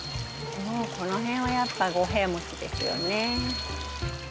この辺はやっぱ五平餅ですよね。